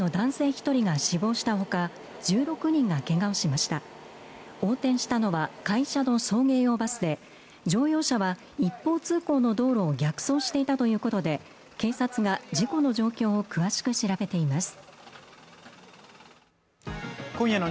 一人が死亡したほか１６人がけがをしました横転したのは会社の送迎用バスで乗用車は一方通行の道路を逆走していたということで警察が事故の状況を詳しく調べています